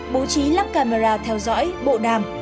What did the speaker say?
bố trí lắp camera theo dõi bộ đàm